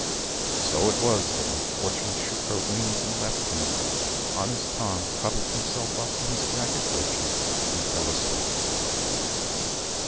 So it was that when Fortune shook her wings and left him, honest Tom cuddled himself up in his ragged virtue, and fell asleep.